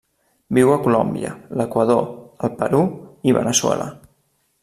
Viu a Colòmbia, l'Equador, el Perú i Veneçuela.